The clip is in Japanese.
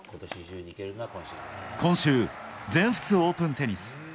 今週、全仏オープンテニス。